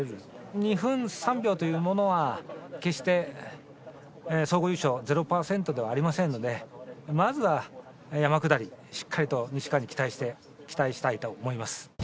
２分３秒というものは決して総合優勝０％ではありませんので、まずは山下り、しっかりと西川に期待したいと思います。